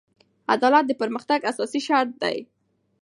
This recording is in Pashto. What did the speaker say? عدالت د پرمختګ اساسي شرط دی.